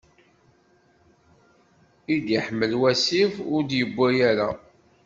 I d-iḥmel wasif, ur d-yewwi ara.